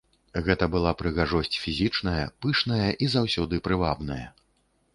Гэта была прыгажосць фізічная, пышная і заўсёды прывабная.